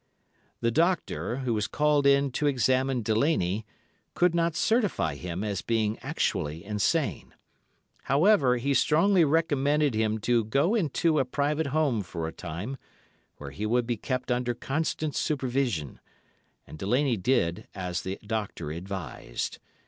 "The doctor, who was called in to examine Delaney, could not certify him as being actually insane. However, he strongly recommended him to go into a private home for a time, where he would be kept under constant supervision, and Delaney did as the doctor advised.